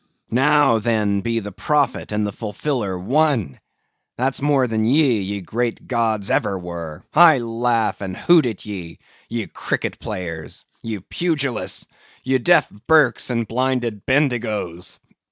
Now, then, be the prophet and the fulfiller one. That's more than ye, ye great gods, ever were. I laugh and hoot at ye, ye cricket players, ye pugilists, ye deaf Burkes and blinded Bendigoes!